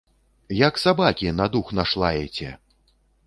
Як сабакі, на дух наш лаеце.